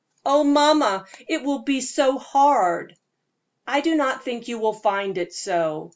"Oh, mamma, it will be so hard!" "I do not think you will find it so.